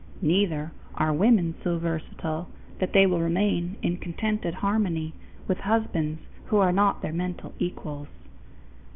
Neither are women so versatile that they will remain in contented harmony with husbands who are not their mental equals.